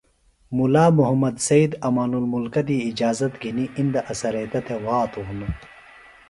ملا محمد سید امان المکہ دی اِجازت گِھنی اندہ اڅھریتہ تھےۡ وھاتوۡ ہِنوۡ